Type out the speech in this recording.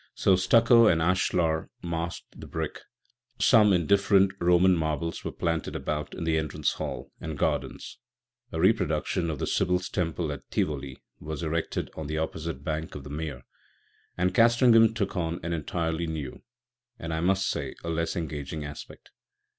So stucco and ashlar masked the brick; some indifferent Roman marbles were planted about in the entrance hall and gardens; a reproduction of the Sibyl's temple at and Tivoli was erected on the opposite bank of the mere; and Castringham took on an entirely new, and, I must say, a less engaging; aspect.